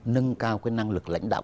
nâng cao cái năng lực lãnh đạo